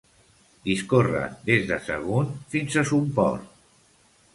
Discorre des de Sagunt fins a Somport.